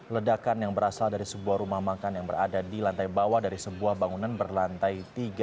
ledakan yang berasal dari sebuah rumah makan yang berada di lantai bawah dari sebuah bangunan berlantai tiga